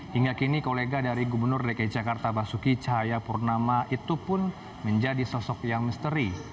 hingga kini kolega dari gubernur dki jakarta basuki cahayapurnama itu pun menjadi sosok yang misteri